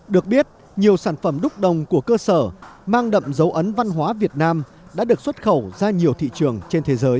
được biết nhiều sản phẩm đúc đồng của cơ sở mang đậm dấu ấn văn hóa việt nam đã được xuất khẩu ra nhiều thị trường trên thế giới